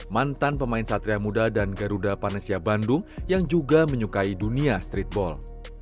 mantan pemain satria muda dan garuda panesia bandung yang juga menyukai dunia streetball